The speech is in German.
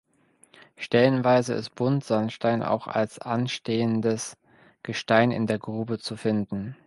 Stellenweise ist Buntsandstein auch als anstehendes Gestein in der Grube zu finden.